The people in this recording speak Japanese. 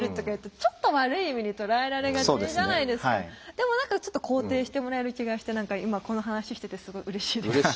でもなんかちょっと肯定してもらえる気がして今この話しててすごいうれしいです。